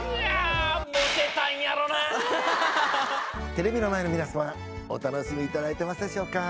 テレビの前の皆さまお楽しみいただいてますでしょうか？